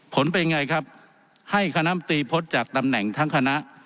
ผลเป็นไงครับให้คณะมตรีพ้นจากตำแหน่งทั้งคณะ